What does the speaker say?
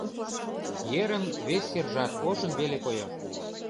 Ерын вес сержат ошын веле койо.